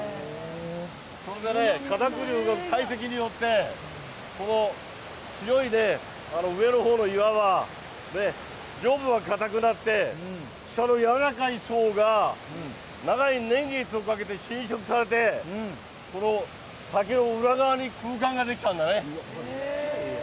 それでね、堆積によってこの強いね、上のほうの岩が、上部が硬くなって、下の軟らかい層が長い年月をかけて浸食されて、この滝の裏側に空間が出来たんだね。